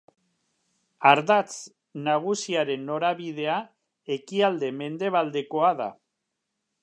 Ardatz nagusiaren norabidea ekialde-mendebaldekoa da.